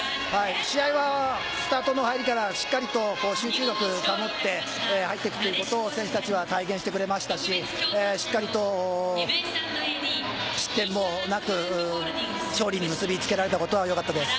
試合はスタートの入りから、しっかりと集中力を保って入っていくということを選手たちが体現してくれましたし、しっかりと失点もなく、勝利に結び付けられたことも良かったです。